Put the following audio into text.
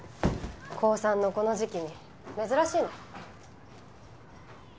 高３のこの時期に珍しいね。